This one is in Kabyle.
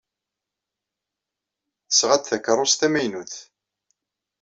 Tesɣa-d takeṛṛust tamaynut.